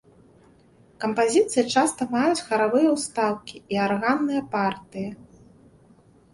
Кампазіцыі часта маюць харавыя ўстаўкі і арганныя партыі.